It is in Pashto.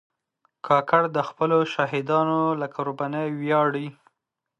کاکړ د خپلو شهیدانو له قربانۍ ویاړي.